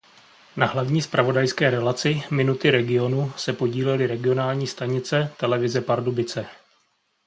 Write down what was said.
Na hlavní zpravodajské relaci Minuty regionu se podílely regionální stanice Televize Pardubice.